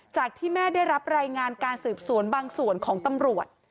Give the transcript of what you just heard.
จากที่แม่ได้รับรายงานการสืบสวนบางส่วนของตำรวจ